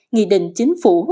nghị định chính phủ